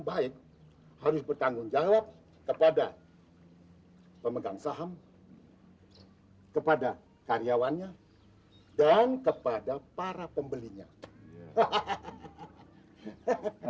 baik harus bertanggung jawab kepada pemegang saham kepada karyawannya dan kepada para pembelinya hahaha